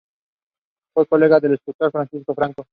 Fue colega del escultor Francisco Franco.